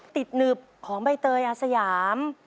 หนึบของใบเตยอาสยาม